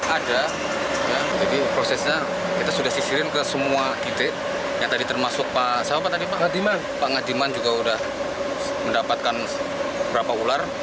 ada jadi prosesnya kita sudah sisirin ke semua titik yang tadi termasuk pak ngadiman juga sudah mendapatkan beberapa ular